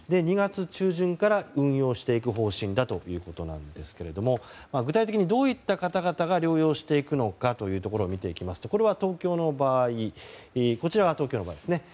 ２月中旬から運用していく方針だということですけども具体的に、どういった方々が療養していくのかを見ていきますとこれは東京の場合です。